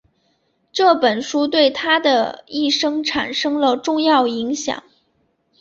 这本书对他的一生产生了重要影响。